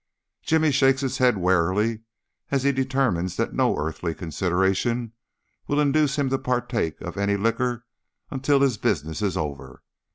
Jimmy shakes his head warily as he determines that no earthly consideration will induce him to partake of any liquor until his business is over.